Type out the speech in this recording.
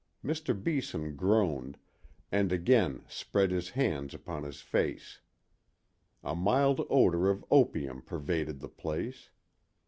Mr. Beeson groaned, and again spread his hands upon his face. A mild odor of opium pervaded the place.